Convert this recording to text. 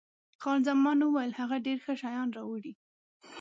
خان زمان وویل، هغه ډېر ښه شیان راوړي.